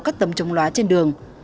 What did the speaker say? các tấm trồng lóa trên đường